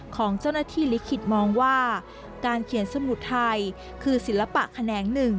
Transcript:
ของเจ้าหน้าที่ลิขิตมองว่าการเขียนสมุดไทยคือศิลปะแขนงหนึ่ง